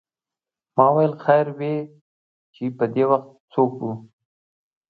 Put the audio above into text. ما ویل خیر وې چې پدې وخت څوک و.